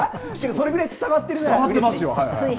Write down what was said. それぐらい伝わってるならうれしい。